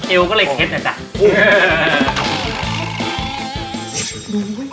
เอวก็เลยเคล็ดนะจ๊ะ